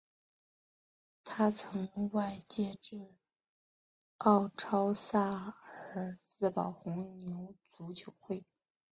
他曾外借至奥超萨尔斯堡红牛足球会。